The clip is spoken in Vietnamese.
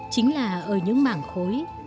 chính là ở những mảng khối